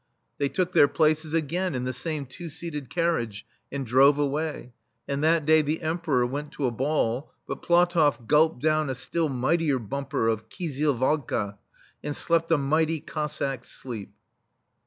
They took their places again in the same two seated carriage, and drove away ; and that day the Emperor went to a ball, but PlatofF gulped down a still mightier bumper of kizil vodka, and slept a mighty Cossack sleep.